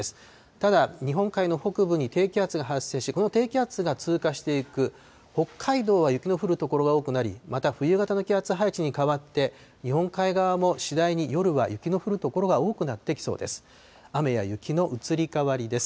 ただ、日本海の北部に低気圧が発生し、この低気圧が通過していく北海道は雪の降る所が多くなり、また、冬型の気圧配置に変わって、日本海側も次第に夜は雪の降る所が多くなってきそうです。